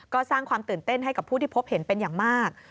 ก็สร้างความตื่นเต้นให้กับผู้ที่พบเห็นเป็นอย่างมาก